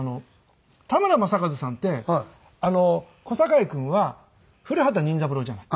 田村正和さんって小堺君は古畑任三郎じゃない。